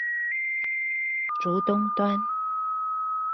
竹東端